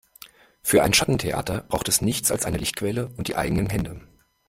Für ein Schattentheater braucht es nichts als eine Lichtquelle und die eigenen Hände.